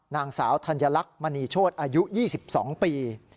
นางสาวธัญลักษณ์มณีโชธอายุ๒๒ปี